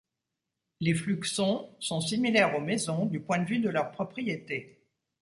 Les fluxons sont similaires aux mésons du point de vue de leurs propriétés.